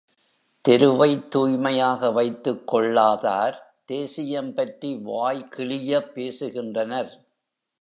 தெருவைத் தூய்மையாக வைத்துக் கொள்ளாதார், தேசியம் பற்றி வாய் கிழியப் பேசுகின்றனர்.